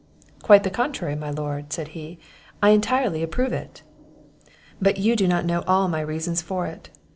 "Quite the contrary, my lord," said he; "I entirely approve it." "But you do not know all my reasons for it.